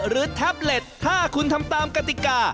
แท็บเล็ตถ้าคุณทำตามกติกา